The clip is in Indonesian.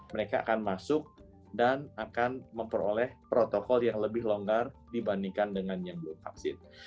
mereka akan masuk dan akan memperoleh protokol yang lebih longgar dibandingkan dengan yang belum vaksin